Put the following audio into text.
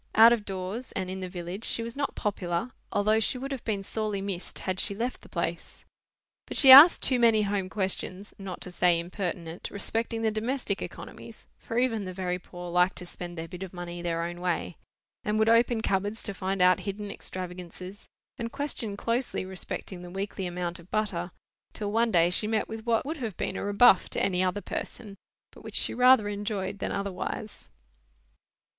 Out of doors, and in the village, she was not popular, although she would have been sorely missed had she left the place. But she asked too many home questions (not to say impertinent) respecting the domestic economies (for even the very poor liked to spend their bit of money their own way), and would open cupboards to find out hidden extravagances, and question closely respecting the weekly amount of butter, till one day she met with what would have been a rebuff to any other person, but which she rather enjoyed than otherwise.